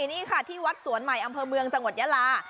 นี่ค่ะที่วัดสวนใหม่อำเภอเมืองจังหวัดยาลา